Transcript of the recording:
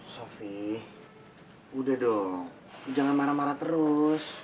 sofie udah dong jangan marah marah terus